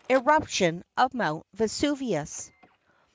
Eruption of Mount Vesu vius